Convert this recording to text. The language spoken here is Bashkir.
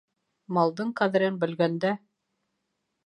Малдың ҡәҙерен бөлгәндә